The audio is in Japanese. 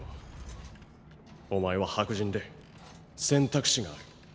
お前は白人で選択肢がある。